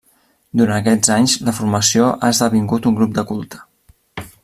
Durant aquests anys la formació ha esdevingut un grup de culte.